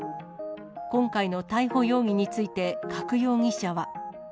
今回の逮捕容疑について加久容疑者は。